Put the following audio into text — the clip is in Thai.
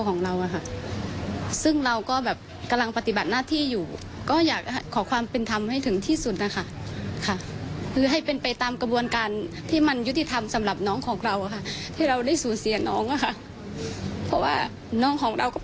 คืออยากให้ตามเรื่องนี้ด้วยนะฮะก็อยากจะฝากเรื่องนี้ด้วยอะค่ะ